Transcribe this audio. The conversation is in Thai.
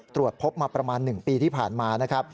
ตรวจพบมาประมาณ๑ปีที่ผ่านมา